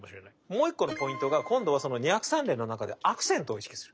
もう一個のポイントが今度はその２拍３連のなかでアクセントを意識する。